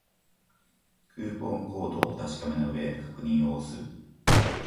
クーポンコードをお確かめの上、確認を押す